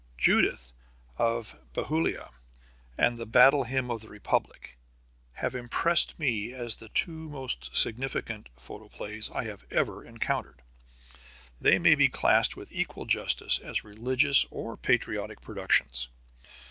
Judith of Bethulia and The Battle Hymn of the Republic have impressed me as the two most significant photoplays I have ever encountered. They may be classed with equal justice as religious or patriotic productions.